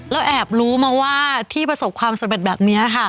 แล้วแอบรู้มาว่าที่ประสบความสำเร็จแบบนี้ค่ะ